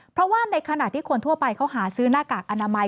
เพราะว่าในขณะที่คนทั่วไปเขาหาซื้อหน้ากากอนามัย